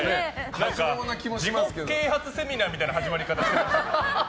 自己啓発セミナーみたいな始まり方。